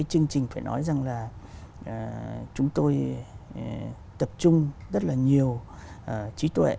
chương trình phải nói rằng là chúng tôi tập trung rất là nhiều trí tuệ